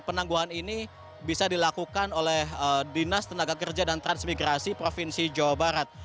penangguhan ini bisa dilakukan oleh dinas tenaga kerja dan transmigrasi provinsi jawa barat